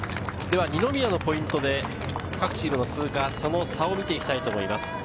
二宮のポイントで各チームの通過さを見ていきたいと思います。